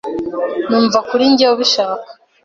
Numva kuri njye ubishaka.